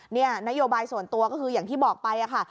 นี่นโยบายส่วนตัวก็คืออย่างที่บอกไปค่ะ